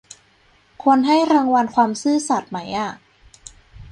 ควรให้รางวัลความซื่อสัตย์ไหมอะ